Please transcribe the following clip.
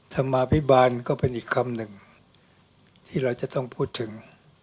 ธรรมาภิบาลก็เป็นอีกคำหนึ่งที่เราจะต้องพูดถึง